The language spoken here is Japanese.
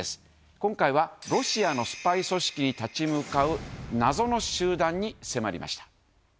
今回は、ロシアのスパイ組織に立ち向かう謎の集団に迫りました。